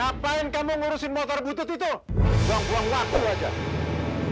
apa kamu nind general ataupun